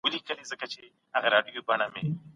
بني آدم د يو بل غړي دي.